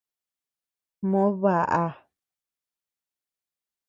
Moo baʼa.